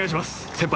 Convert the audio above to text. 先輩。